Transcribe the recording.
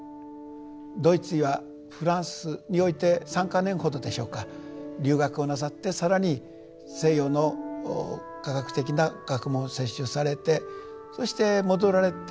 ドイツやフランスにおいて３か年ほどでしょうか留学をなさって更に西洋の科学的な学問を摂取されてそして戻られて。